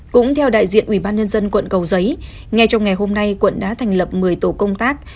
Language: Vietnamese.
cũng theo đại diện ủy ban nhân dân quận cầu giấy ngay trong ngày hôm nay quận đã thành lập một mươi tổ công tác